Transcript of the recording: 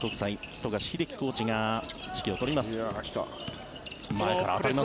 富樫英樹コーチが指揮を執ります。